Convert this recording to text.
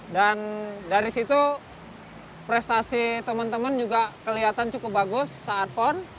dan dari situ prestasi teman teman juga kelihatan cukup bagus saat pon